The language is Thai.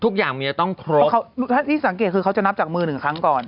ทุกอย่างมีจะต้องครบถ้าที่สังเกตคือเขาจะนับจากมือหนึ่งครั้งก่อน